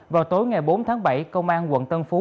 vào tối ngày bốn tháng bảy công an quận tân phú